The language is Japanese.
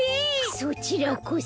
そちらこそ。